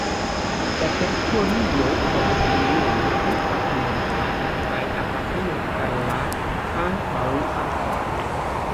La teritorio de la komunumo estas montara kaj apartenas al la Antaŭalpoj.